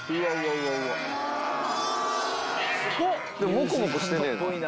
もこもこしてねえな。